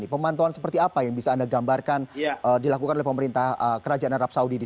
pemantauan seperti apa yang bisa anda gambarkan dilakukan oleh pemerintah kerajaan arab saudi